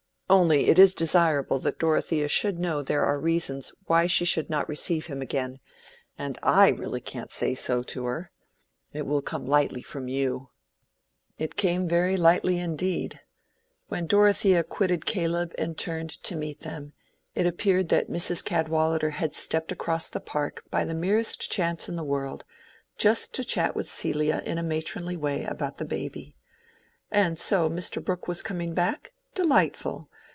"Only it is desirable that Dorothea should know there are reasons why she should not receive him again; and I really can't say so to her. It will come lightly from you." It came very lightly indeed. When Dorothea quitted Caleb and turned to meet them, it appeared that Mrs. Cadwallader had stepped across the park by the merest chance in the world, just to chat with Celia in a matronly way about the baby. And so Mr. Brooke was coming back? Delightful!